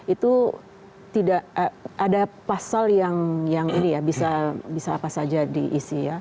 itu tidak ada pasal yang bisa apa saja diisi